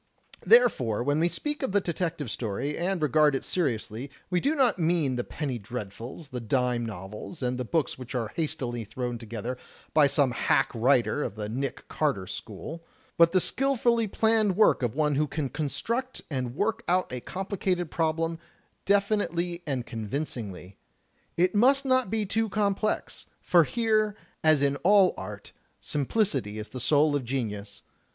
"Therefore, when we speak of the detective story, and re gard it seriously, we do not mean the penny dreadfuls, the dime novels, and the books which are hastily thrown to gether by some hack writer of the *Nick Carter' school, but 12 THE TECHNIQUE OF THE MYSTERY STORY the skillfully planned work of one who can construct and work out a complicated problem, definitely and convincingly. It must not be too complex; for here, as in all art, simplicity is the soul of genius.